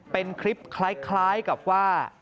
เป็นคลิปคล้ายกับว่า